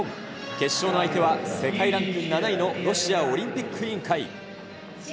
決勝の相手は世界ランク７位のロシアオリンピック委員会。